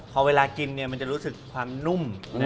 พอเวลากินมันจะรู้สึกความนุ่ม